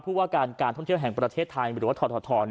พูดว่าการท่องเที่ยวแห่งประเทศไทยหรือว่าถอน